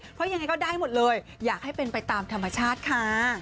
เพราะยังไงก็ได้หมดเลยอยากให้เป็นไปตามธรรมชาติค่ะ